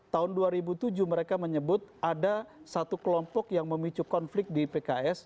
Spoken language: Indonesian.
tahun dua ribu tujuh mereka menyebut ada satu kelompok yang memicu konflik di pks